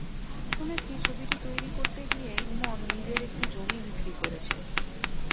শুনেছি ছবিটি তৈরি করতে গিয়ে ইমন নিজের একটি জমি বিক্রি করেছে।